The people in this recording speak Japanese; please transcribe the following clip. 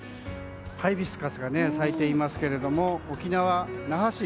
ハイビスカスが咲いていますが沖縄・那覇市